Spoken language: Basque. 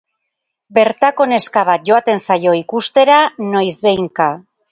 Bertako neska bat joaten zaio ikustera noizbehinka.